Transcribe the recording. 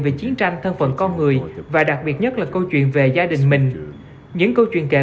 về chiến tranh thân phận con người và đặc biệt nhất là câu chuyện về gia đình mình những câu chuyện kể